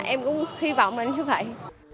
em cũng hy vọng là như vậy